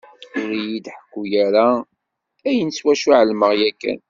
Ur yi-d-ḥekku ara ayen s wacu εelmeɣ yakan.